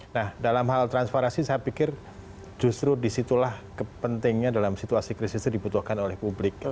nah dalam hal transparansi saya pikir justru disitulah kepentingnya dalam situasi krisis itu dibutuhkan oleh publik